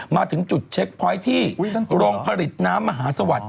มาถึงจุดเช็คพอยต์ที่โรงผลิตน้ำมหาสวัสดิ